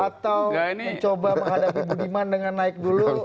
atau mencoba menghadapi budiman dengan naik dulu